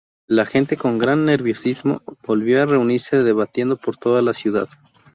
La gente, con gran nerviosismo, volvió a reunirse debatiendo por toda la ciudad.